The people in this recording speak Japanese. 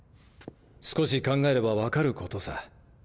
少し考えれば分かることさ。